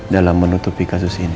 dalam menutupi kasus ini